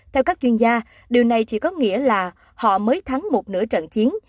theo các chuyên gia điều này chỉ có nghĩa là họ mới thắng một nửa trận chiến